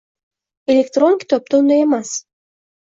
Elektron kitobda unday emas.